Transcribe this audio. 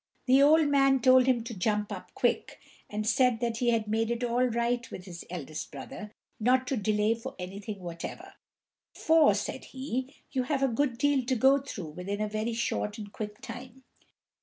The old man told him to jump up quick, and said that he had made it all right with his eldest brother, not to delay for anything whatever, "For," said he, "you have a good deal to go through with in a very short and quick time."